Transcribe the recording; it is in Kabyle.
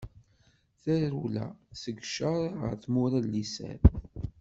Tarewla seg ccer ɣer tmura n liser.